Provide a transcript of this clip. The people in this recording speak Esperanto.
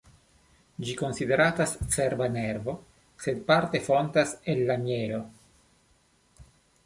Ĝi konsideratas cerba nervo, sed parte fontas el la mjelo.